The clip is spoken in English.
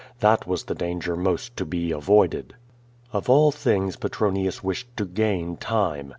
That was the danger most to be avoided. Of all things Petronius wished to gain time.